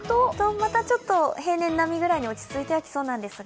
また平年並みくらいに落ち着いてきそうなんですが